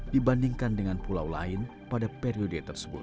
dibandingkan dengan pulau lain pada periode tersebut